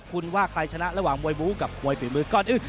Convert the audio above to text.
คุณว่าใครชนะระหว่างมวยบู๊กับมวยฝีมือก่อนอื่น